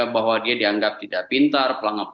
bahwa dia dianggap tidak pintar